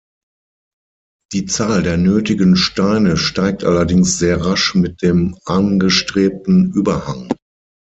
Die Zahl der nötigen Steine steigt allerdings sehr rasch mit dem angestrebten Überhang.